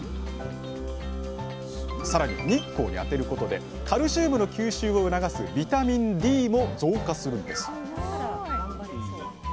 さらに日光に当てることでカルシウムの吸収を促すビタミンＤも増加するんです